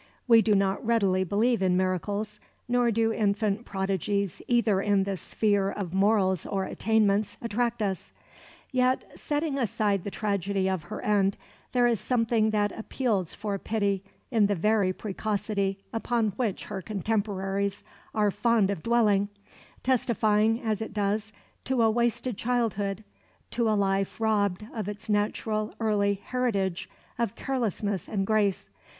We do not readily believe in miracles; nor do infant prodigies either in the sphere of morals or attainments attract us. Yet, setting aside the tragedy of her end, there is something that appeals for pity in the very precocity upon which her contemporaries are fond of dwelling, testifying as it does to a wasted childhood, to a life robbed of its natural early heritage of carelessness and grace.